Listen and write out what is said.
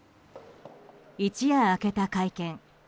一夜明けた会見。